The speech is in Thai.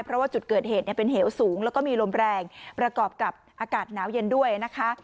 เพราะว่าจุดเกิดเหตุเนี่ยเป็นเหวสูงแล้วก็มีลมแรงประกอบกับอากาศหนาวเย็นด้วยนะคะ